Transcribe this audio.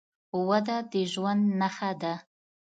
وده د ژوند نښه ده.